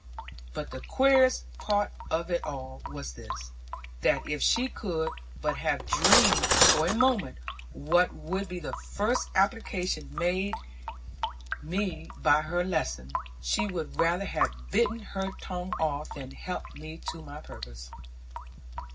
But the queerest part of it all was this, that if she could but have dreamed for a moment what would be the first application made me by of her lesson, she would rather have bitten her tongue off than help me to my purpose.